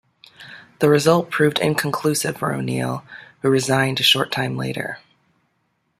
The result proved inconclusive for O'Neill, who resigned a short time later.